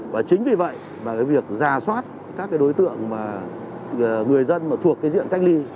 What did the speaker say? và chính vì vậy việc giả soát các đối tượng người dân thuộc diện cách ly